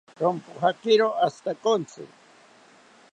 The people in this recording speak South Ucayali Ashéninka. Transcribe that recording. Rompojakiro ashitakontzi